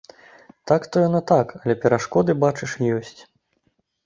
Так то яно так, але перашкоды, бачыш, ёсць.